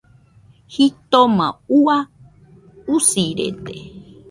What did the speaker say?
Jitoma ua, usirede.